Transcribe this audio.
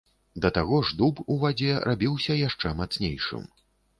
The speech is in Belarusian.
Да таго ж дуб у вадзе рабіўся яшчэ мацнейшым.